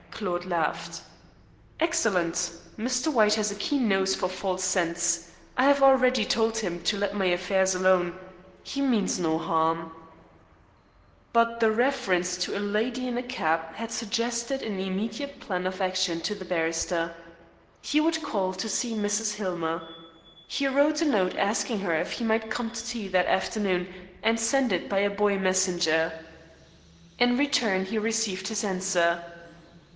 Claude laughed. "Excellent. Mr. White has a keen nose for false scents. I have already told him to let my affairs alone. He means no harm." But the reference to a "lydy in a keb" had suggested an immediate plan of action to the barrister. He would call to see Mrs. Hillmer. He wrote a note asking her if he might come to tea that afternoon, and sent it by a boy messenger. In return he received this answer.